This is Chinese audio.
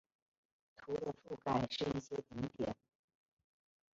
图的覆盖是一些顶点。